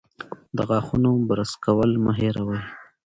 د غاښونو برس کول مه هېروئ.